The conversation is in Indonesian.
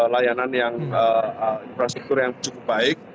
layanan yang infrastruktur yang cukup baik